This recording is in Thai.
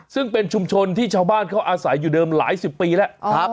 ซึ่งเป็นชุมชนที่ชาวบ้านเขาอาศัยอยู่เดิมหลายสิบปีแล้ว